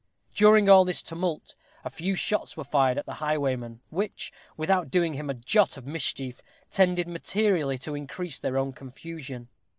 During all this tumult, a few shots were fired at the highwayman, which, without doing him a jot of mischief, tended materially to increase their own confusion.